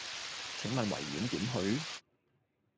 請問維園點去